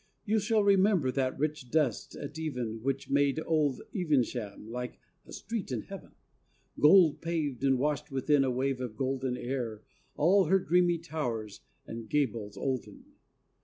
You shall remember that rich dust at even Which made old Evesham like a street in heaven, Gold paved, and washed within a wave of golden Air all her dreamy towers and gables olden.